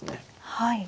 はい。